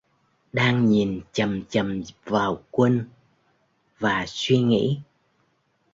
Đang nhìn chằm chằm vào Quân và suy nghĩ